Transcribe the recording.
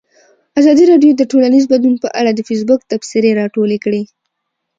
ازادي راډیو د ټولنیز بدلون په اړه د فیسبوک تبصرې راټولې کړي.